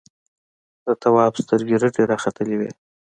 د تواب سترګې رډې راختلې وې.